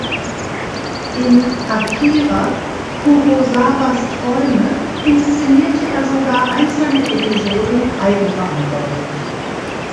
In "Akira Kurosawas Träume" inszenierte er sogar einzelne Episoden eigenverantwortlich.